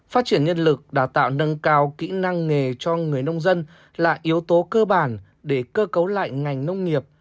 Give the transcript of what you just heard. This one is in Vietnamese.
phát triển nhân lực đào tạo nâng cao kỹ năng nghề cho người nông dân là yếu tố cơ bản để cơ cấu lại ngành nông nghiệp